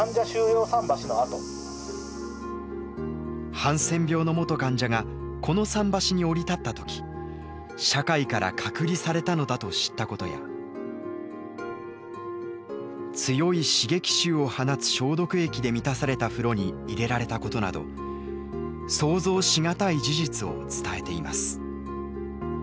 ハンセン病の元患者がこの桟橋に降り立った時社会から隔離されたのだと知ったことや強い刺激臭を放つ消毒液で満たされた風呂に入れられたことなど想像しがたい事実を伝えています。